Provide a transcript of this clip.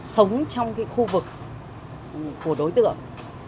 sống trong cái khu vực của đối tượng